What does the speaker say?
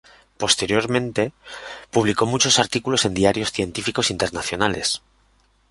Posteriormente, publicó mucho artículos en diarios científicos internacionales.